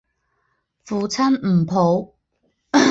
父亲吴甫。